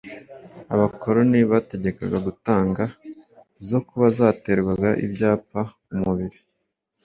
Abakoloni bategekaga gutanga zo kuba zaterwaga ibyapa ku mubiri